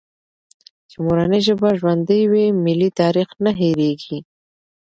چي مورنۍ ژبه ژوندۍ وي، ملي تاریخ نه هېرېږي.